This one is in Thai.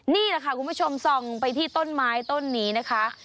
นี่แหละค่ะคุณผู้ชมส่องไปที่ต้นไม้ต้นนี้นะคะ